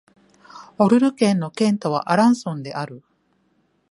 オルヌ県の県都はアランソンである